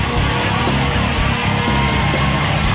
เร็วอีกสองที